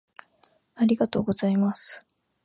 ありがとうございます